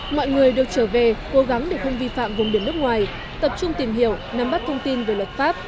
mọi người được trở về cố gắng để không vi phạm vùng biển nước ngoài tập trung tìm hiểu nắm bắt thông tin về luật pháp